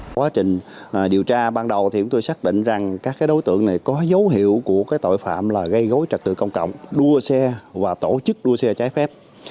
quá trình điều tra ban đầu thì chúng tôi xác định rằng các đối tượng này có dấu hiệu của tội phạm là gây gối trật tự công cộng đua xe và tổ chức đua xe trái phép